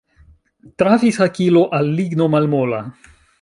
Trafis hakilo al ligno malmola.